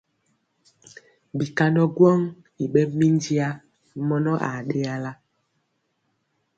Bikandɔ gwɔŋ i ɓɛ minjiya mɔnɔ a ɗeyala.